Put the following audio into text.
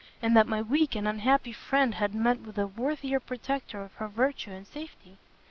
and that my weak and unhappy friend had met with a worthier protector of her virtue and safety!"